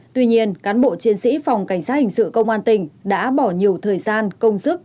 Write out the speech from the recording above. tuy nhiên cán bộ chiến sĩ phòng cảnh sát hình sự công an tỉnh đã bỏ nhiều thời gian công sức